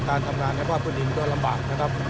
การทำงานในภาคพื้นดินก็ลำบากนะครับ